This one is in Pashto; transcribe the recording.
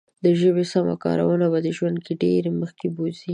د ژبې سمه کارونه به دې ژوند کې ډېر مخکې بوزي.